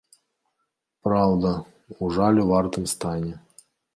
Праўда, у жалю вартым стане.